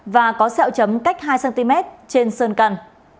và có xeo chấm cách hai cm trên sơn căn